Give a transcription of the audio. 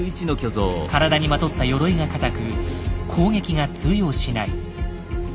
体にまとった鎧が硬く攻撃が通用しない。